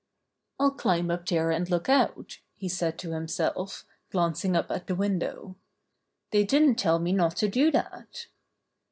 "I'll climb up there and look out," he said How Buster Was Stolen 41 to himself, glancing up at the window. "They didn't tell me not to do that."